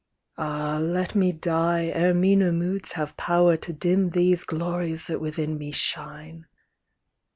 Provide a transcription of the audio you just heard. Ah, let me die, ere meaner moods have power To dim these glories that within me shine